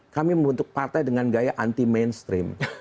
kami membentuk partai dengan gaya anti mainstream